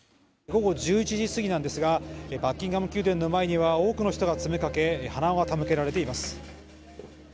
午後１１時過ぎなんですが、バッキンガム宮殿の前には多くの人が詰め掛け、花が手向けられています。